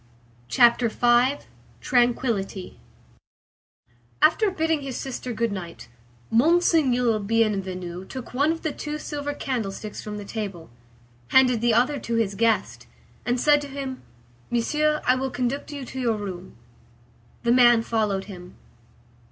CHAPTER V—TRANQUILLITY After bidding his sister good night, Monseigneur Bienvenu took one of the two silver candlesticks from the table, handed the other to his guest, and said to him,— "Monsieur, I will conduct you to your room." The man followed him.